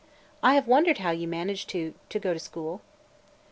"I have wondered how you managed to – to go to school."